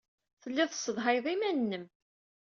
Telliḍ tessedhayeḍ iman-nnem.